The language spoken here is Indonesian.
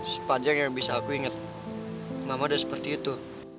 sepanjang yang bisa aku inget mama udah seperti itu